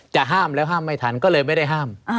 ห้ามแล้วห้ามไม่ทันก็เลยไม่ได้ห้าม